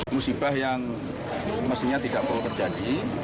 musibah yang mestinya tidak perlu terjadi